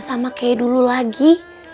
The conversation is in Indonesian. udah gak sama kayak dulu lagi